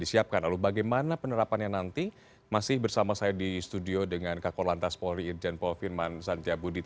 saya mau bertanya dengan pak firman